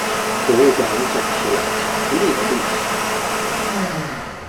博物馆展示了巧克力的历史。